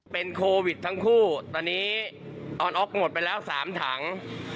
เป็นโควิดทั้งคู่ตอนนี้ออนออกหมดไปแล้ว๓ถัง